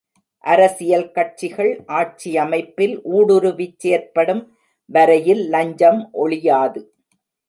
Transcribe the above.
அரசியல் கட்சிகள், ஆட்சியமைப்பில் ஊடுருவிச் செயற்படும் வரையில் லஞ்சம் ஒழியாது.